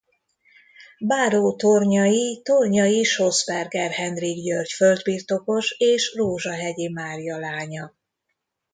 Báró tornyai Tornyai-Schossberger Henrik György földbirtokos és Rózsahegyi Mária lánya.